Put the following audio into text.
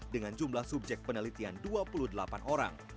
dengan jumlah subjek penelitian dua puluh delapan orang